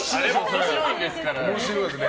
面白いですから。